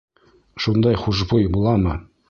Шундай хушбуй буламы?